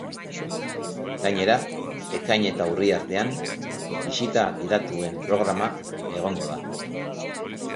Gainera, ekain eta urri artean bisita gidatuen programa egongo da.